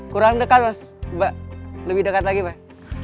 kurang dekat mas lebih dekat lagi pak